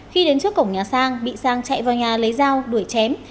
khi đến trước cổng nhà sang bị sang chạy vào nhà lấy dao đuổi chém